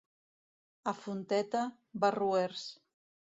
A Fonteta, barroers.